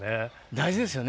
大事ですよね。